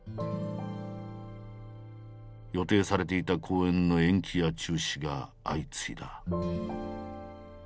予定されていた公演の延期や中止が相次いだ。